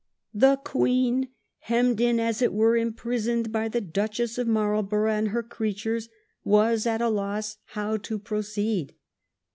" The Queen, hemmed in, and as it were im prisoned, by the Duchess of Marlborough and her creatures, was at a loss how to proceed."